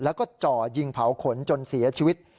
แล้วก็จ่อยิงเผาขนจนเสียชีวิต